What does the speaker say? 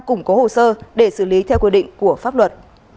cũng có hồ sơ để xử lý theo quy định của pháp luật